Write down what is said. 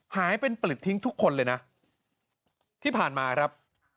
หายเป็นปลึกทิ้งทุกคนเลยนะที่ผ่านมาครับ